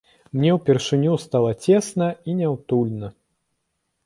Мне ўпершыню стала цесна і няўтульна.